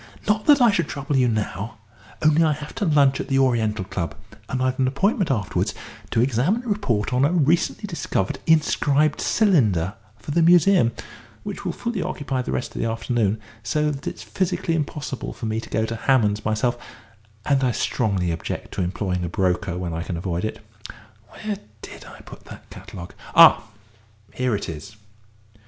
Not that I should trouble you now, only I have to lunch at the Oriental Club, and I've an appointment afterwards to examine and report on a recently discovered inscribed cylinder for the Museum, which will fully occupy the rest of the afternoon, so that it's physically impossible for me to go to Hammond's myself, and I strongly object to employing a broker when I can avoid it. Where did I put that catalogue?... Ah, here it is.